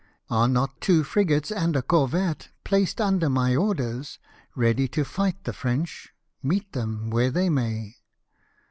Are not two frigates and a corvette placed under my orders, ready to fight the French, meet them where they may